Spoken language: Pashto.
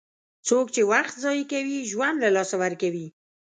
څوک چې وخت ضایع کوي، ژوند له لاسه ورکوي.